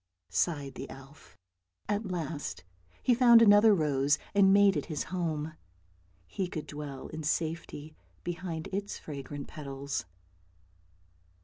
" sighed the elf. At last he found another rose, and made it his home. He could dwell in safety behind its fragrant petals.